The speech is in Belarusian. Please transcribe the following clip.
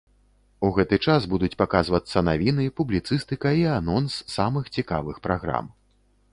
У гэты час будуць паказвацца навіны, публіцыстыка і анонс самых цікавых праграм.